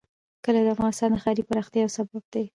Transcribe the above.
کلي د افغانستان د ښاري پراختیا یو سبب دی.